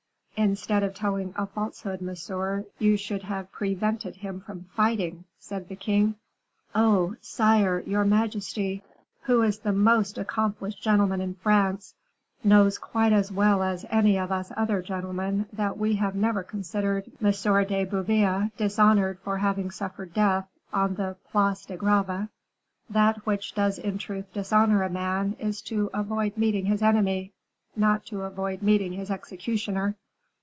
"Instead of telling a falsehood, monsieur, you should have prevented him from fighting," said the king. "Oh! sire, your majesty, who is the most accomplished gentleman in France, knows quite as well as any of us other gentlemen that we have never considered M. de Bouteville dishonored for having suffered death on the Place de Greve. That which does in truth dishonor a man is to avoid meeting his enemy not to avoid meeting his executioner!"